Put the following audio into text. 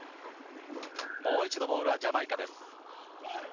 もう一度、ボールはジャマイカです。